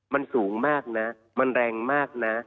มันสูงมากนะมันแรงมากนะ